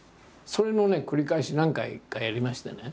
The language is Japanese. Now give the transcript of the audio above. それの繰り返し何回かやりましてね。